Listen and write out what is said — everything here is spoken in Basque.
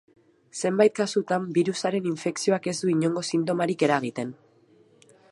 Zenbait kasutan birusaren infekzioak ez du inongo sintomarik eragiten.